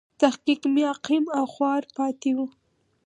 تحقیق مې عقیم او خوار پاتې و.